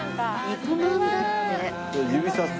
肉まんだって。